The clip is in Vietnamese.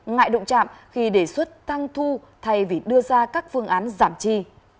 ngại động trạm khi đề xuất tăng thu thay vì đưa ra các phương án giảm chi